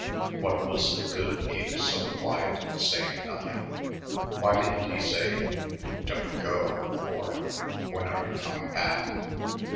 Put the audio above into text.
What was the good of being so quiet and saying nothing? Why didn't he say "Don't go" or "When are you coming back?"